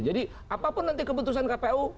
jadi apapun nanti keputusan kpu